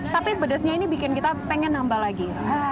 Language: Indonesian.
tapi pedesnya ini bikin kita pengen nambah lagi